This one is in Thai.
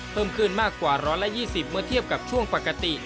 เพิ่มขึ้นมากกว่า๑๒๐เมื่อเทียบกับช่วงปกติ